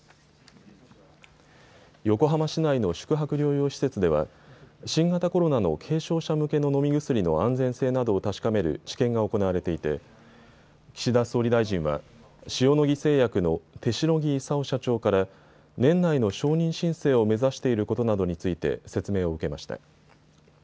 横浜市内の宿泊療養施設では新型コロナの軽症者向けの飲み薬の安全性などを確かめる治験が行われていて岸田総理大臣は塩野義製薬の手代木功社長から年内の承認申請を目指していることなどについて説明を受けました。